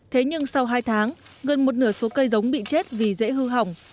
thế nhưng sau hai tháng gần một nửa số cây giống bị chết vì dễ hư hỏng